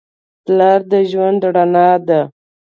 پلار د ژوند رڼا ده.